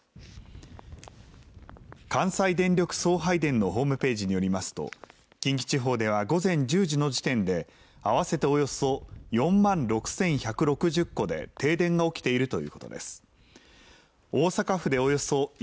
関西電力送配電のホームページによりますと近畿地方では午前１０時の時点で合わせておよそ４万６１６０戸で停電が起きているということです。